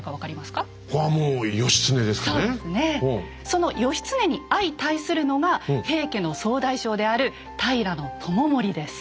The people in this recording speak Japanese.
その義経に相対するのが平家の総大将である平知盛です。